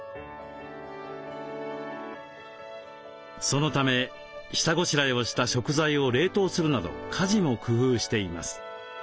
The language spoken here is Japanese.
そのため下ごしらえをした食材を冷凍するなど家事も工夫しています。